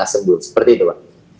sebut seperti itu pak